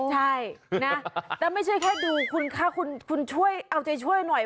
ใช่แต่ไม่ใช่แค่ดูคุณช่วยเอาใจช่วยหน่อย